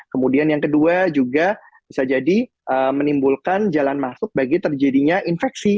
kemudian yang kedua juga bisa jadi menimbulkan jalan masuk bagi terjadinya infeksi